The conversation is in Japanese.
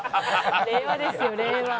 令和ですよ令和。